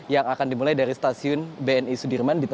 yang akan dimulai dari stasiun bni sudirman